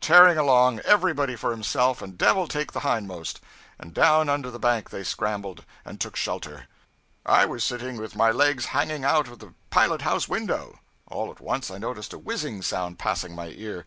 tearing along, everybody for himself and Devil take the hindmost! and down under the bank they scrambled, and took shelter. I was sitting with my legs hanging out of the pilot house window. All at once I noticed a whizzing sound passing my ear.